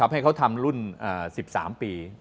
ให้เขาทำรุ่น๑๓ปี